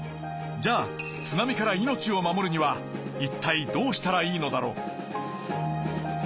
じゃあ津波から命を守るには一体どうしたらいいのだろう？